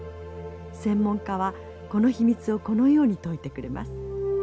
専門家はこの秘密をこのように解いてくれます。